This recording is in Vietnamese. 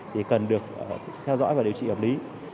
thì cần được theo dõi và điều trị hợp lý